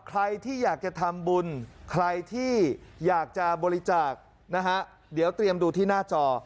ใครที่อยากจะทำบุญใครที่อยากจะบริจาคนะฮะเดี๋ยวเตรียมดูที่หน้าจอ